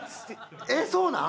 えっそうなん！？